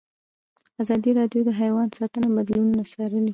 ازادي راډیو د حیوان ساتنه بدلونونه څارلي.